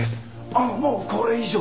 「ああもうこれ以上」